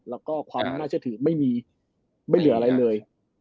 แล้วก็ความน่าเชื่อถือไม่มีไม่เหลืออะไรเลย